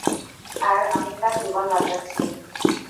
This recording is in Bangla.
আর আমি তার জীবন বাঁচাচ্ছি।